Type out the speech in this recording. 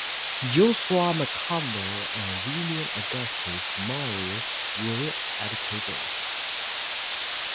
Joshua Macomber and William Augustus Mowry were educators.